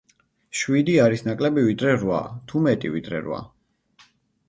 შვიდი არის ნაკლები, ვიდრე რვა, თუ მეტი, ვიდრე რვა